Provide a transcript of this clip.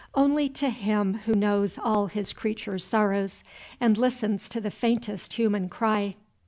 Only to Him who knows all His creatures' sorrows, and listens to the faintest human cry.